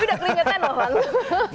udah kelingetan loh bang